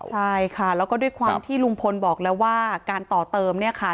ใช่ค่ะแล้วก็ด้วยความที่ลุงพลบอกแล้วว่าการต่อเติมเนี่ยค่ะ